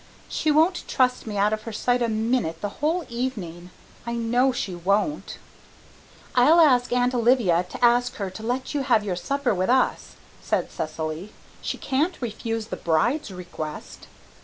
She won't trust me out of her sight a minute the whole evening I know she won't." "I'll get Aunt Olivia to ask her to let you have your supper with us," said Cecily. "She can't refuse the bride's request."